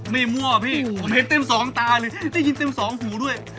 ไม่มั่วพี่ผมเห็นเต็มสองตาเลย